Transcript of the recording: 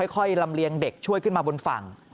ลำเลียงเด็กช่วยขึ้นมาบนฝั่ง